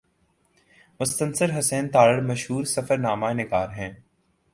مستنصر حسین تارڑ مشہور سفرنامہ نگار ہیں